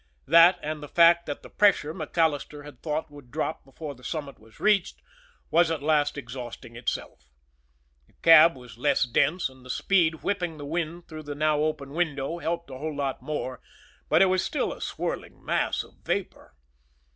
That, and the fact that the pressure MacAllister had thought would drop before the summit was reached, was at last exhausting itself. The cab was less dense, and the speed whipping the wind through the now open window helped a whole lot more, but it was still a swirling mass of vapor.